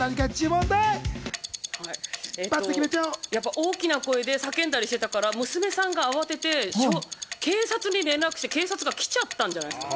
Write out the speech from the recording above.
大きな声で叫んだりしてたから娘さんが慌てて警察に連絡して警察が来ちゃったんじゃないですか？